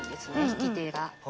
引き手が。